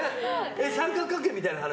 三角関係みたいな話？